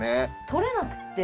取れなくて。